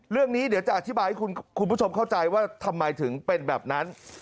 เรื่องนี้เดี๋ยวจะอธิบายให้คุณผู้ชมเข้าใจว่าทำไมถึงเป็นแบบนั้น